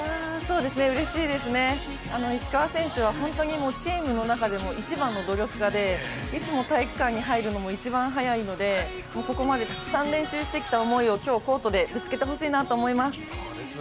うれしいですね、石川選手は本当にチームの中でも一番の努力家でいつも体育館に入るのも一番早いのでここまでたくさん練習してきた思いを今日コートでぶつけてほしいなと思います。